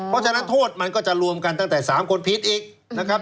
เพราะฉะนั้นโทษมันก็จะรวมกันตั้งแต่๓คนผิดอีกนะครับ